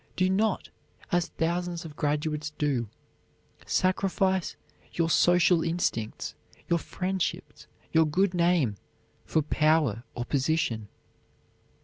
Do not, as thousands of graduates do, sacrifice your social instincts, your friendships, your good name, for power or position.